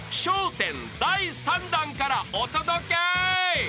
１０第３弾からお届け］